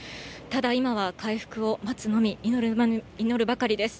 ただ、今は回復を待つのみ、祈るばかりです。